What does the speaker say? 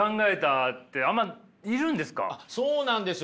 そうなんですよ。